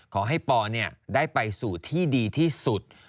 ขอให้ปอได้ไปสู่ที่ดีที่สุด